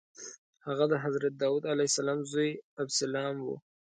هغه د حضرت داود علیه السلام زوی ابسلام و.